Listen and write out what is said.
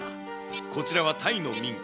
こちらはタイの民家。